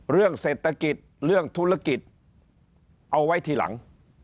เรื่องเศรษฐกิจเรื่องธุรกิจเอาไว้ทีหลัง